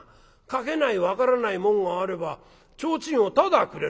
描けない分からない紋があれば提灯をただくれるそうだ」。